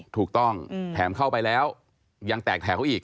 ถูกต้องแถมเข้าไปแล้วยังแตกแถวอีก